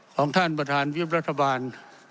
ของท่านประธานวิบรัฐบาล